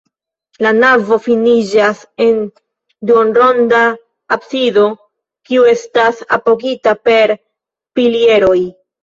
La navo finiĝas en duonronda absido, kiu estas apogita per pilieroj.